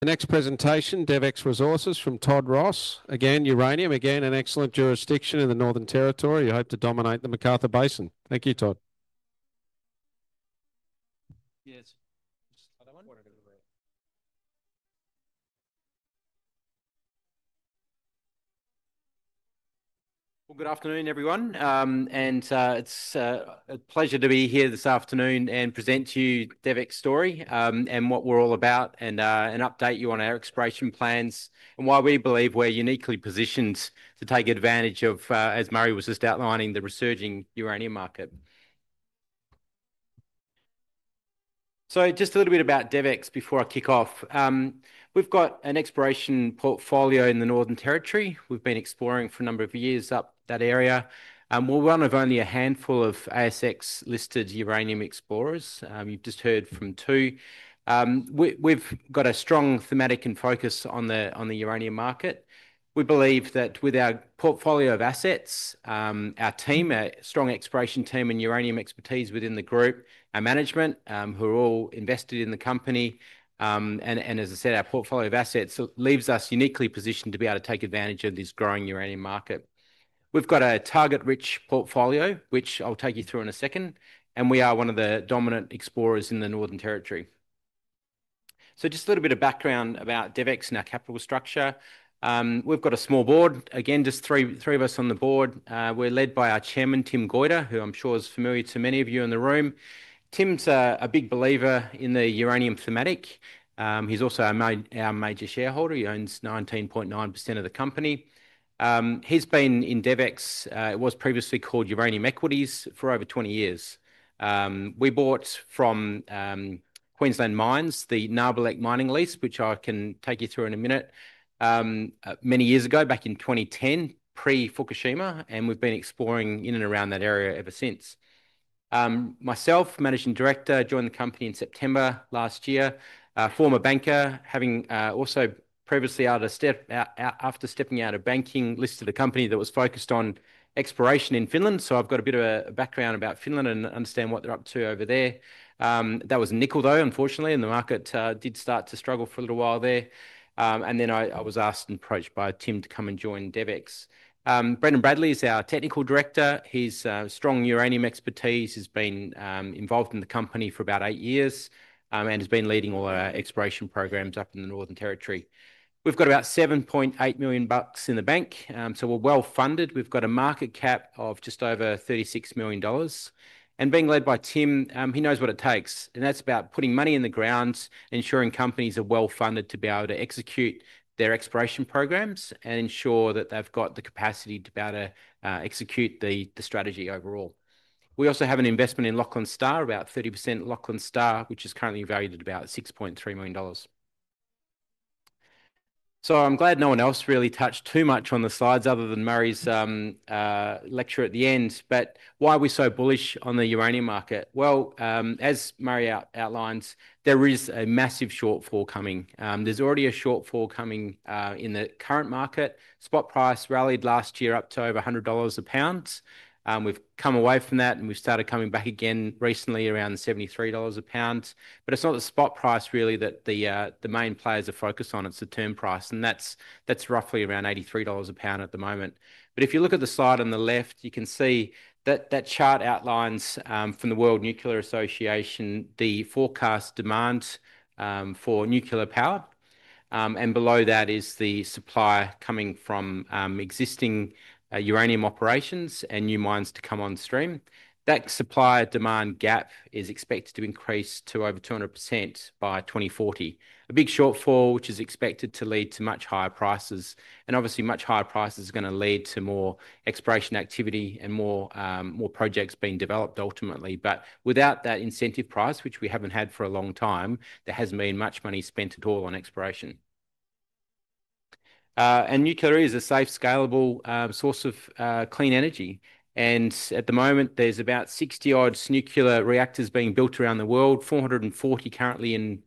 The next presentation, DevEx Resources from Todd Ross. Again, uranium, again an excellent jurisdiction in the Northern Territory. You hope to dominate the McArthur Basin. Thank you, Todd! Yes, just another one? Good afternoon, everyone, it's a pleasure to be here this afternoon and present to you DevEx's story and what we're all about, and update you on our exploration plans and why we believe we're uniquely positioned to take advantage of, as Murray was just outlining, the resurging uranium market. Just a little bit about DevEx before I kick off. We've got an exploration portfolio in the Northern Territory. We've been exploring for a number of years up that area. We're one of only a handful of ASX-listed uranium explorers. You've just heard from two. We've got a strong thematic focus on the uranium market. We believe that with our portfolio of assets, our team, a strong exploration team and uranium expertise within the group, our management, who are all invested in the company, and as I said, our portfolio of assets leaves us uniquely positioned to be able to take advantage of this growing uranium market. We've got a target-rich portfolio, which I'll take you through in a second, and we are one of the dominant explorers in the Northern Territory. Just a little bit of background about DevEx and our capital structure. We've got a small board, again, just three of us on the board. We're led by our Chairman, Tim Goyder, who I'm sure is familiar to many of you in the room. Tim's a big believer in the uranium thematic. He's also our major shareholder, he owns 19.9% of the company. He's been in DevEx, it was previously called Uranium Equities, for over 20 years. We bought from Queensland Mines the Narwhal Lake Mining Lease, which I can take you through in a minute, many years ago, back in 2010, pre-Fukushima, and we've been exploring in and around that area ever since. Myself, Managing Director, joined the company in September last year. Former banker, having also previously, after stepping out of banking, listed a company that was focused on exploration in Finland, so I've got a bit of a background about Finland and understand what they're up to over there. That was nickel, though, unfortunately, and the market did start to struggle for a little while there. I was asked and approached by Tim to come and join DevEx. Brendan Bradley is our Technical Director. He's strong uranium expertise, has been involved in the company for about eight years, and has been leading all our exploration programs up in the Northern Territory. We've got about 7.8 million bucks in the bank, so we're well funded. We've got a market cap of just over 36 million dollars, and being led by Tim, he knows what it takes, and that's about putting money in the ground, ensuring companies are well funded to be able to execute their exploration programs and ensure that they've got the capacity to be able to execute the strategy overall. We also have an investment in Lachlan Star, about 30% Lachlan Star, which is currently valued at about 6.3 million dollars. I'm glad no one else really touched too much on the slides other than Murray's lecture at the end. Why are we so bullish on the uranium market? As Murray outlines, there is a massive shortfall coming. There's already a shortfall coming in the current market. Spot price rallied last year up to over 100 dollars a lb. We've come away from that, and we've started coming back again recently around 73 dollars a lb. It's not the spot price really that the main players are focused on; it's the term price, and that's roughly around 83 dollars a lb at the moment. If you look at the slide on the left, you can see that that chart outlines from the World Nuclear Association the forecast demand for nuclear power, and below that is the supply coming from existing uranium operations and new mines to come on stream. That supply-demand gap is expected to increase to over 200% by 2040, a big shortfall which is expected to lead to much higher prices, and obviously much higher prices are going to lead to more exploration activity and more projects being developed ultimately. Without that incentive price, which we haven't had for a long time, there hasn't been much money spent at all on exploration. Nuclear is a safe, scalable source of clean energy, and at the moment there's about 60-odd nuclear reactors being built around the world, 440 currently in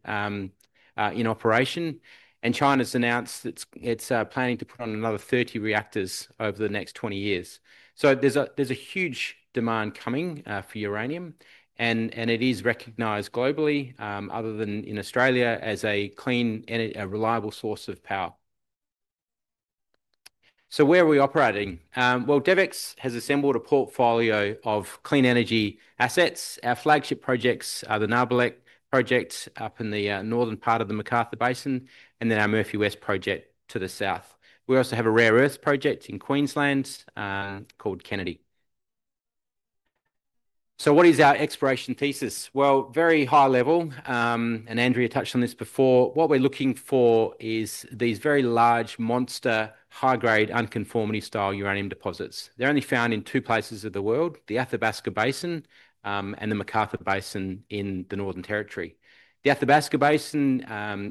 operation, and China's announced that it's planning to put on another 30 reactors over the next 20 years. There's a huge demand coming for uranium, and it is recognized globally, other than in Australia, as a clean and reliable source of power. Where are we operating? DevEx has assembled a portfolio of clean energy assets. Our flagship projects are the Narwhal Lake project up in the northern part of the McArthur Basin, and then our Murphy West project to the south. We also have a rare earth project in Queensland called Kennedy. What is our exploration thesis? At a very high level, and Andrea touched on this before, what we're looking for is these very large, monster, high-grade, unconformity-style uranium deposits. They're only found in two places of the world: the Athabasca Basin and the McArthur Basin in the Northern Territory. The Athabasca Basin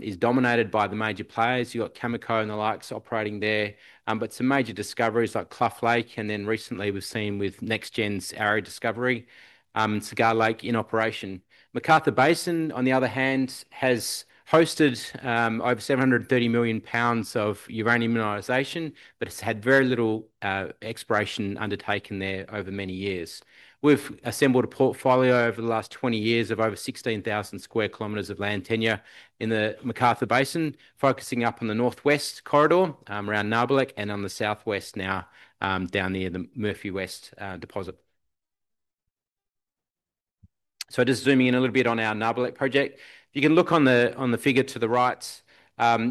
is dominated by the major players. You've got Cameco and the likes operating there, with some major discoveries like Cluff Lake, and then recently we've seen with NextGen's Arrow discovery, Cigar Lake in operation. The McArthur Basin, on the other hand, has hosted over 730 million lbs of uranium mineralization, but it's had very little exploration undertaken there over many years. We've assembled a portfolio over the last 20 years of over 16,000 sq km of land tenure in the McArthur Basin, focusing up on the northwest corridor around Narwhal Lake and on the southwest now down near the Murphy West deposit. Just zooming in a little bit on our Narwhal Lake project, you can look on the figure to the right,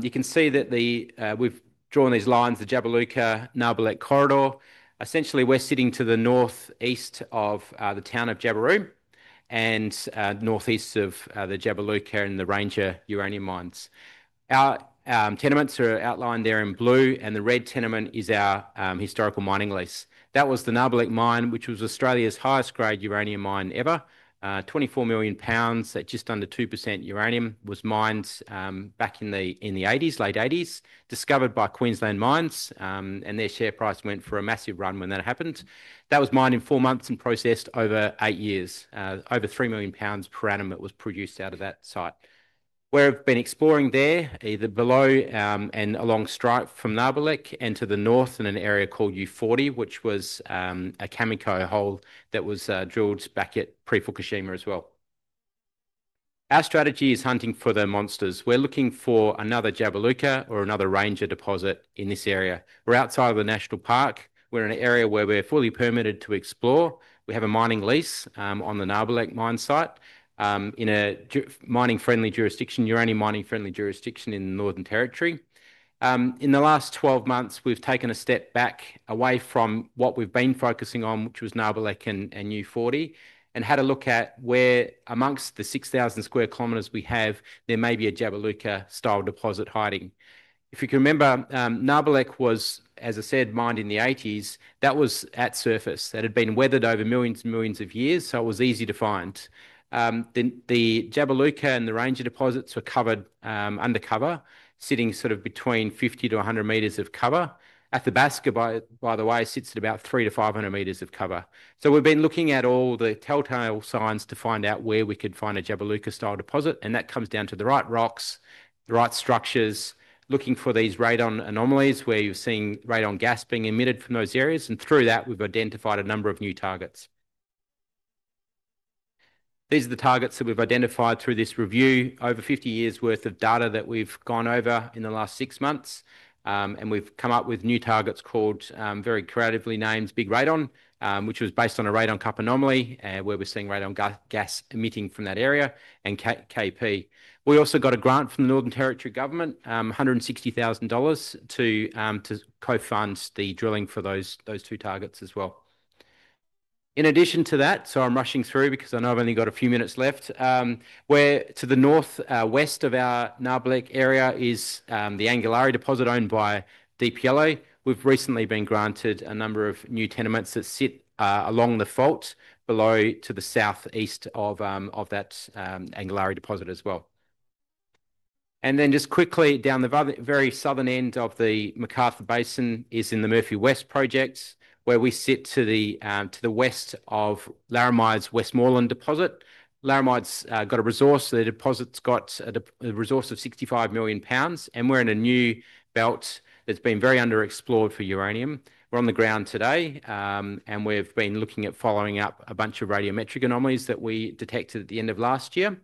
you can see that we've drawn these lines, the Jabiluka-Narwhal Lake corridor. Essentially, we're sitting to the northeast of the town of Jabiru and northeast of the Jabiluka and the Ranger uranium mines. Our tenements are outlined there in blue, and the red tenement is our historical mining lease. That was the Narwhal Lake mine, which was Australia's highest-grade uranium mine ever, 24 million lbs at just under 2% uranium, mined back in the late 1980s, discovered by Queensland Mines, and their share price went for a massive run when that happened. That was mined in four months and processed over eight years. Over 3 million lbs per annum was produced out of that site. We've been exploring there, either below and along strike from Narwhal Lake and to the north in an area called U40, which was a Cameco hole that was drilled back at pre-Fukushima as well. Our strategy is hunting for the monsters. We're looking for another Jabiluka or another Ranger deposit in this area. We're outside of the national park. We're in an area where we're fully permitted to explore. We have a mining lease on the Narwhal Lake mine site in a mining-friendly jurisdiction, uranium mining-friendly jurisdiction in the Northern Territory. In the last 12 months, we've taken a step back away from what we've been focusing on, which was Narwhal Lake and U40, and had a look at where amongst the 6,000 sq km we have, there may be a Jabiluka-style deposit hiding. If you can remember, Narwhal Lake was, as I said, mined in the 1980s. That was at surface. That had been weathered over millions and millions of years, so it was easy to find. The Jabiluka and the Ranger deposits are covered undercover, sitting sort of between 50-100 meters of cover. Athabasca, by the way, sits at about 300-500 meters of cover. We've been looking at all the telltale signs to find out where we could find a Jabiluka-style deposit, and that comes down to the right rocks, the right structures, looking for these radon anomalies where you're seeing radon gas being emitted from those areas. Through that, we've identified a number of new targets. These are the targets that we've identified through this review, over 50 years' worth of data that we've gone over in the last six months, and we've come up with new targets called, very creatively named, Big Radon, which was based on a radon cup anomaly where we're seeing radon gas emitting from that area, and KP. We also got a grant from the Northern Territory government, 160,000 dollars, to co-fund the drilling for those two targets as well. In addition to that, I'm rushing through because I know I've only got a few minutes left. To the northwest of our Narwhal Lake area is the Angularli deposit owned by Deep Yellow. We've recently been granted a number of new tenements that sit along the fault below to the southeast of that Angularli deposit as well. Just quickly, down the very southern end of the McArthur Basin is the Murphy West project, where we sit to the west of Laramide's Westmoreland deposit. Laramide's got a resource, the deposit's got a resource of 65 million lbs, and we're in a new belt that's been very underexplored for uranium. We're on the ground today, and we've been looking at following up a bunch of radiometric anomalies that we detected at the end of last year,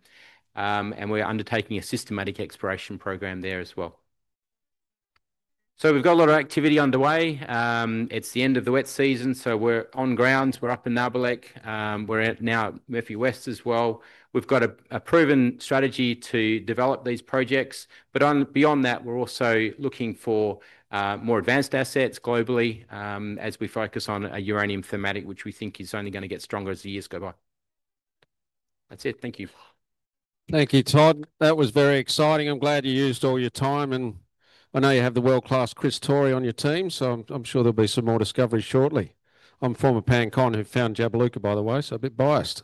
and we're undertaking a systematic exploration program there as well. We've got a lot of activity underway. It's the end of the wet season, so we're on ground. We're up in Narwhal Lake. We're now at Murphy West as well. We've got a proven strategy to develop these projects, but beyond that, we're also looking for more advanced assets globally as we focus on a uranium thematic, which we think is only going to get stronger as the years go by. That's it. Thank you. Thank you, Todd. That was very exciting. I'm glad you used all your time, and I know you have the world-class Chris Torrey on your team, so I'm sure there'll be some more discovery shortly. I'm a former PanCon who found Jabiluka, by the way, so a bit biased.